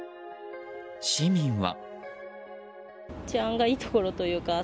市民は。